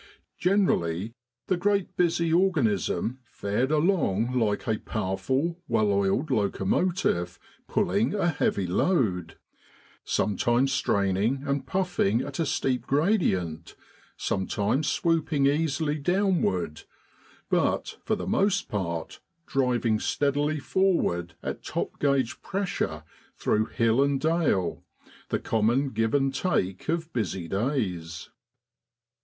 Generally, the great busy organ ism fared along like a powerful, well oiled locomotive pulling a heavy load; sometimes straining and puffing at a steep gradient, sometimes swooping easily downward, but for the most part driving steadily forward at top gauge pressure through hill and dale the common give and take of busy days.